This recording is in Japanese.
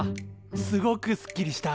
すごくすっきりした。